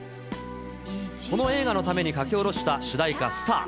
この映画のために書き下ろした主題歌、ＳＴＡＲ。